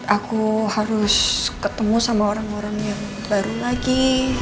aku harus ketemu sama orang orang yang baru lagi